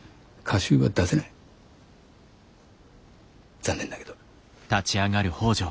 残念だけど。